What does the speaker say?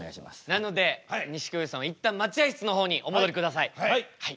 なので錦鯉さんは一旦待合室の方にお戻りください。